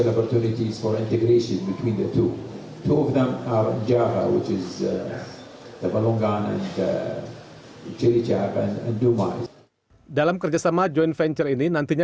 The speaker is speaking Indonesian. dan mengembangkan kedua duanya